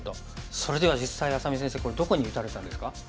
それでは実際愛咲美先生これどこに打たれたんですか？